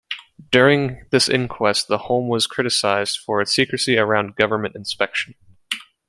During this inquest the Home was criticised for its secrecy around Government inspection.